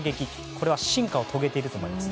これは進化を遂げていると思います。